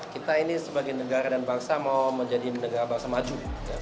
sebagai negara dan bangsa mau menjadi negara negara maju